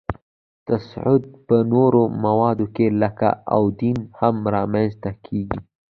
تصعید په نورو موادو کې لکه ایودین هم را منځ ته کیږي.